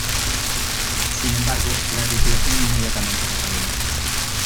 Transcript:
Sin embargo, la tripulación inmediatamente reparó el daño.